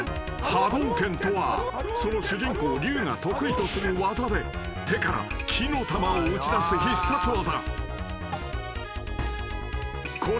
［波動拳とはその主人公リュウが得意とする技で手から気の球を打ち出す必殺技］